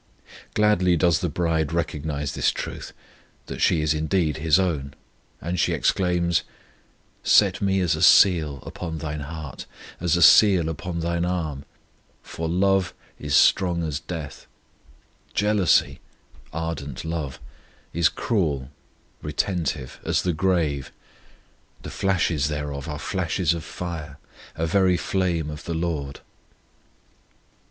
Gladly does the bride recognize this truth, that she is indeed His own, and she exclaims: Set me as a seal upon Thine heart, as a seal upon Thine arm; For love is strong as death; Jealousy (ardent love) is cruel (retentive) as the grave; The flashes thereof are flashes of fire, A very flame of the LORD.